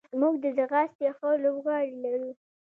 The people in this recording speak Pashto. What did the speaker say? موږ د ځغاستې ښه لوبغاړي لرو.